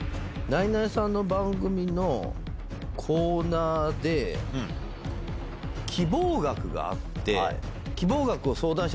ナイナイさんの番組のコーナーで希望額があって。